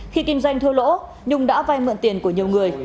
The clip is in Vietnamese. khi kinh doanh thua lỗ nhung đã vay mượn tiền của nhiều người